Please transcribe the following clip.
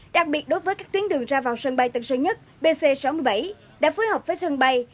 đặc biệt đối với các tuyến đường ra vào sân bay tân sơn nhất bc sáu mươi bảy đã phối hợp với sân bay